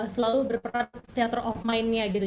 selalu berperan theater of mind nya gitu